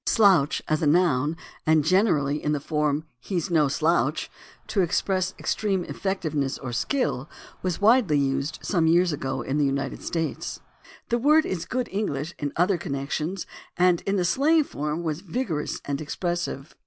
"Slouch" as a noun, and generally in the form "he's no slouch," to express extreme effectiveness or skill, was widely used some years ago in the United States. THE ORIGIN OF CERTAIN AMERICANISMS 261 The word is good English in other connections, and in the slang form was vigorous and expressive.